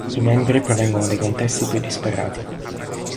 I membri provengono dai contesti più disparati.